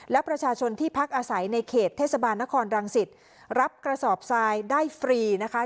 และประชาชนที่พักอาศัยในเขตเทศบาลนครรังสิตรับกระสอบทรายได้ฟรีนะคะ